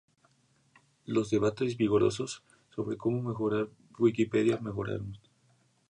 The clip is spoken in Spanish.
Los debates vigorosos sobre cómo mejorar Wikipedia siguieron.